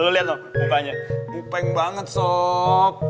lihatlah wajahnya sangat berbakat sok